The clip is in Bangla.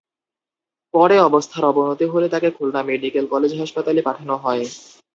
পরে অবস্থার অবনতি হলে তাঁকে খুলনা মেডিকেল কলেজ হাসপাতালে পাঠানো হয়।